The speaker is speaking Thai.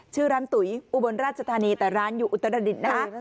ชื่อร้านตุ๋ยอุบลราชธานีแต่ร้านอยู่อุตรดิษฐ์นะคะ